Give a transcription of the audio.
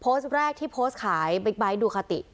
โพสต์แรกที่โพสต์ขายบิ๊กไบท์ดูคาติ